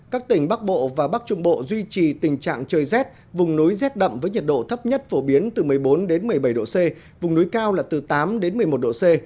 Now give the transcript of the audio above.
các tỉnh bắc bộ và bắc trung bộ duy trì tình trạng trời rét vùng núi rét đậm với nhiệt độ thấp nhất phổ biến từ một mươi bốn một mươi bảy độ c vùng núi cao là từ tám đến một mươi một độ c